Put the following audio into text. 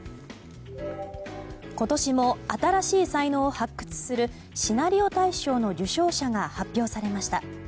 今年も新しい才能を発掘するシナリオ大賞の受賞者が発表されました。